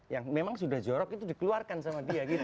yang memang sudah jorok itu dikeluarkan sama dia gitu